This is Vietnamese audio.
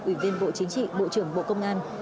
ủy viên bộ chính trị bộ trưởng bộ công an